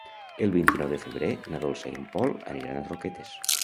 El vint-i-nou de febrer na Dolça i en Pol aniran a Roquetes.